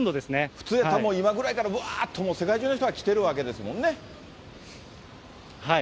普通やったら、今ぐらいからもうぶわーっともう、世界中の人が来てるわけですもんはい。